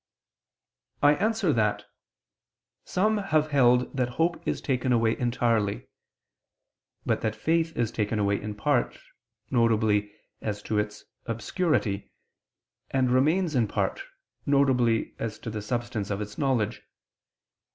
I answer that, Some have held that hope is taken away entirely: but that faith is taken away in part, viz. as to its obscurity, and remains in part, viz. as to the substance of its knowledge.